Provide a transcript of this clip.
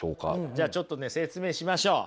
じゃあちょっとね説明しましょう。